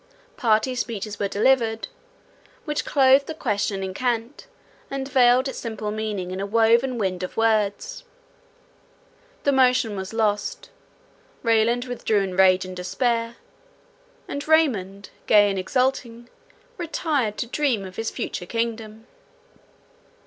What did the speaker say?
Party speeches were delivered, which clothed the question in cant, and veiled its simple meaning in a woven wind of words. The motion was lost; Ryland withdrew in rage and despair; and Raymond, gay and exulting, retired to dream of his future kingdom.